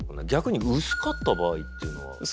逆に薄かった場合っていうのは？